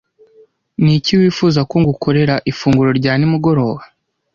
Niki wifuza ko ngukorera ifunguro rya nimugoroba?